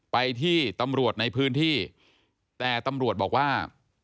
ไปที่ตำรวจในพื้นที่แต่ตำรวจบอกว่า